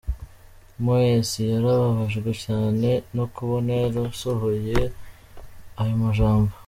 Moyes "yarababajwe cane" no kubona yarasohoye ayo majambo.